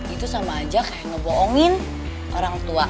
itu sama aja kayak ngeboongin orang tua